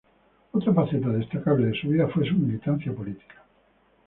Otra faceta destacable de su vida fue su militancia política.